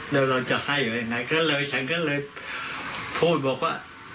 แล้วเราจะให้ยังไงก็เลยฉันก็เลยพูดบอกว่า